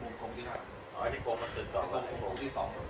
หลังจากนี้ก็ได้เห็นว่าหลังจากนี้ก็ได้เห็นว่า